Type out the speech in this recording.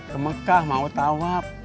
kemekah mau tawab